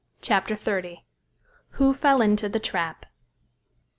CHAPTER XXX WHO FELL INTO THE TRAP?